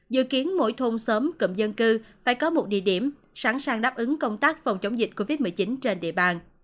dự kiến mỗi thôn xóm cụm dân cư phải có một địa điểm sẵn sàng đáp ứng công tác phòng chống dịch covid một mươi chín trên địa bàn